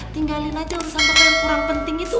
tinggalin aja urusan tempat yang kurang penting itu